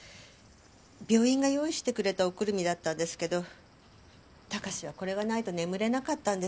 病院が用意してくれたおくるみだったんですけど貴史はこれがないと眠れなかったんです。